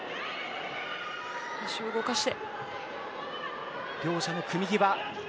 足を動かして。両者の組み際。